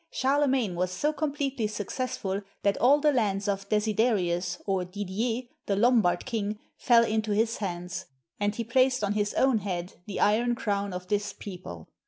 Charlemagne was so completely successful that all the lands of Desiderius or Didier, the Lombard King, fell into his hands, and he placed on his own head the iron crown of this people.